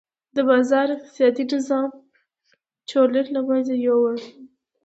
د بازار اقتصادي نظام چورلټ له منځه یووړل شو.